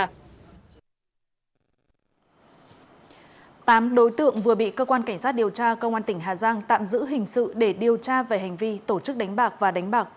tạm đối tượng vừa bị cơ quan cảnh sát điều tra công an tỉnh hà giang tạm giữ hình sự để điều tra về hành vi tổ chức đánh bạc và đánh bạc